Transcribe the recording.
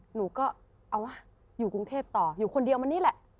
หนูก็เอาวะอยู่กรุงเทพต่ออยู่คนเดียวมันนี่แหละ